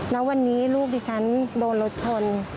แล้ววันนี้ลูกที่ฉันโดนรถชน